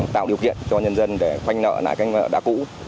tạo điều kiện cho nhân dân để phanh nợ lại các nợ đã cũ